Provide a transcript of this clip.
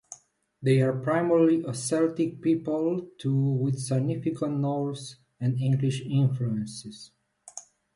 They are primarily a Celtic people, though with significant Norse and English influences.